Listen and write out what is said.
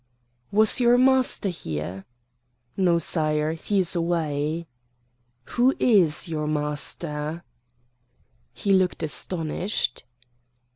"Was your master here?" "No, sire. He is away." "Who is your master?" He looked astonished.